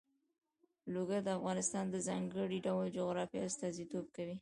لوگر د افغانستان د ځانګړي ډول جغرافیه استازیتوب کوي.